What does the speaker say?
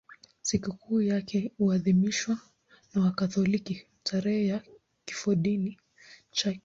Sikukuu yake huadhimishwa na Wakatoliki tarehe ya kifodini chake.